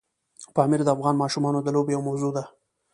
پامیر د افغان ماشومانو د لوبو یوه موضوع ده.